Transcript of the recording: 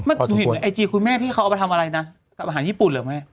หนูเห็นไอจีคุณแม่ที่เขาเอาไปทำอะไรนะกับอาหารญี่ปุ่นเหรอแม่